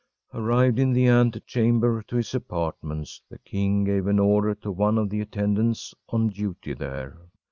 Arrived in the antechamber to his apartments, the king gave an order to one of the attendants on duty there.